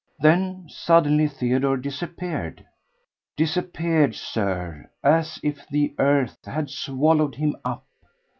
Then suddenly Theodore disappeared! Disappeared, Sir, as if the earth had swallowed him up!